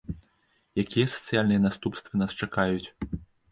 Якія сацыяльныя наступствы нас чакаюць?